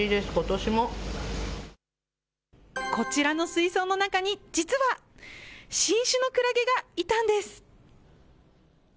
こちらの水槽の中に、実は、新種のクラゲがいたんです。